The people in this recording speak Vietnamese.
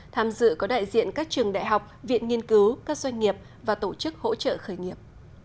tham dự có đại diện các trường đại học viện nghiên cứu các doanh nghiệp và tổ chức hỗ trợ khởi nghiệp